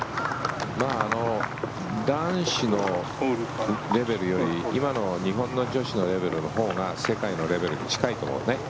男子のレベルより今の日本の女子のレベルのほうが世界のレベルに近いかもね。